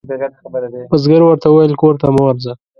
بزګر ورته وویل کور ته مه ورځه.